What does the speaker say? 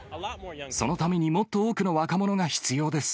そのためにもっと多くの若者が必要です。